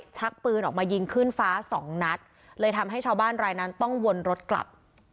ชักปืนออกมายิงขึ้นฟ้าสองนัดเลยทำให้ชาวบ้านรายนั้นต้องวนรถกลับ